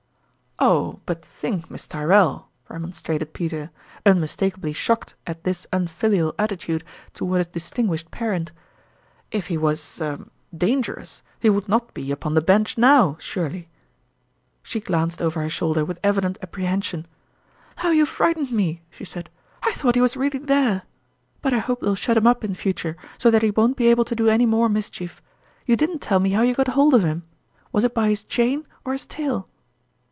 " Oh ! but think, Miss Tyrrell," remonstrated Peter, unmistakably shocked at this unfilial attitude toward a distinguished parent ;" if he was er dangerous, he would not be upon the Bench now, surely !" She glanced over her shoulder with evident apprehension. " How you frightened me !" she said. " I thought he was really there! But I hope they'll shut him up in future, so that he won't be able to do any more mischief. You didn't tell me how you got hold of him. Was it by his chain or his tail